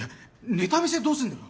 ネタ見せどうすんだよ？